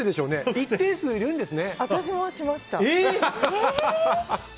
一定数いるんですね。